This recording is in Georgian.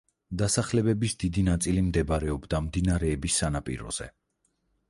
დასახლებების დიდი ნაწილი მდებარეობდა მდინარეების სანაპიროზე.